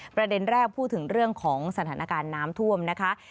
ประเด็นแรกพูดถึงเรื่องของสถานการณ์น้ำท่วมนะคะ